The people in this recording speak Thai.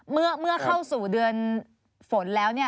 เมื่อเข้าสู่เดือนฝนแล้ว